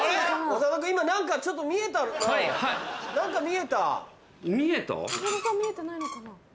長田さん見えてないのかな？